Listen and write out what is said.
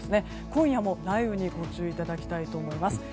今夜も雷雨にご注意いただきたいと思います。